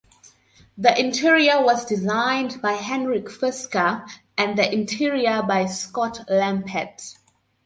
The exterior was designed by Henrik Fisker and the interior by Scott Lempert.